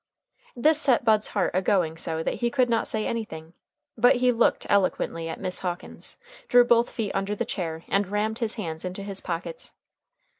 This set Bud's heart a going so that he could not say anything, but he looked eloquently at Miss Hawkins, drew both feet under the chair, and rammed his hands into his pockets.